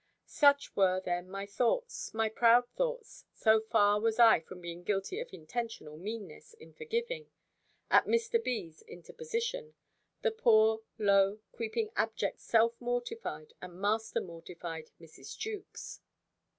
Such were then my thoughts, my proud thoughts, so far was I from being guilty of intentional meanness in forgiving, at Mr. B.'s interposition, the poor, low, creeping, abject self mortified, and master mortified, Mrs. Jewkes.